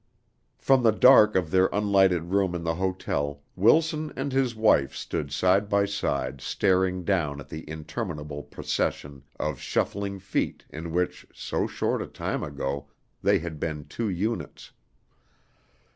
From the dark of their unlighted room in the hotel Wilson and his wife stood side by side staring down at the interminable procession of shuffling feet in which, so short a time ago, they had been two units.